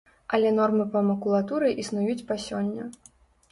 Але нормы па макулатуры існуюць па сёння.